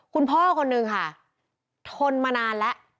คนนึงค่ะทนมานานแล้ว